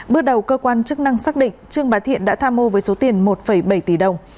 bước đầu cơ quan chức năng xác định trương bá thiện đã tham mô với số tiền một bảy tỷ đồng